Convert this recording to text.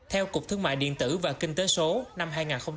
theo cục thương mại điện tử và kinh tế số năm hai nghìn hai mươi ba